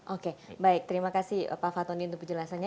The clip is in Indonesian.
oke baik terima kasih pak fatoni untuk penjelasannya